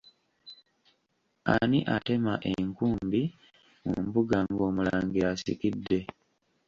Ani atema enkumbi mu mbuga ng'omulangira asikidde?